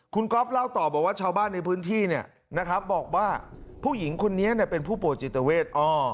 คุณก๊อฟเล่าต่อบอกว่าชาวบ้านในพื้นที่บอกว่าผู้หญิงคนนี้เป็นผู้ป่วยจิตเวท